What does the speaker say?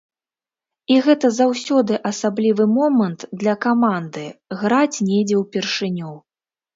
І гэта заўсёды асаблівы момант для каманды, граць недзе ў першыню.